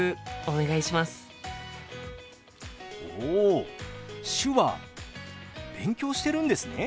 お手話勉強してるんですね。